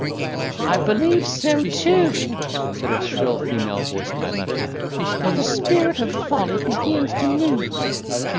"I believe so too," said a shrill female voice at my left hand, "for the spirit of folly begins to move."